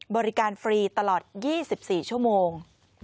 บริการฟรีตลอด๒๔ชั่วโมง